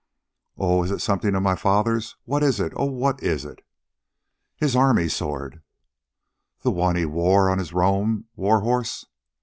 "Oh, it is something of my father's! What is it? Oh, what is it?" "His army sword." "The one he wore on his roan war horse!